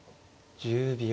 １０秒。